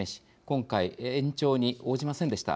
今回延長に応じませんでした。